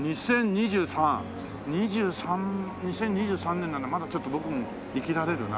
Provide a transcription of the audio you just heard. ２３２０２３年ならまだちょっと僕も生きられるな。